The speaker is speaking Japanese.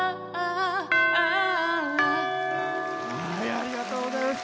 ありがとうございます。